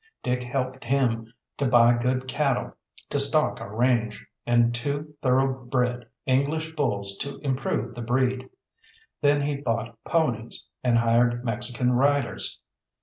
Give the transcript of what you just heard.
Dick helped him to buy good cattle to stock our range, and two thoroughbred English bulls to improve the breed. Then he bought ponies, and hired Mexican riders.